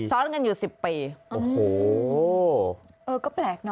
ซ้อนกันอยู่๑๐ปีโอ้โห